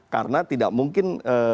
karena tidak mungkin